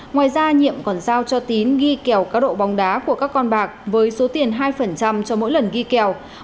ngoài ra nhiệm còn giao cho tín ghi kèo cá độ bóng đá của các con bạc với số tiền hai cho mỗi lần ghi kèo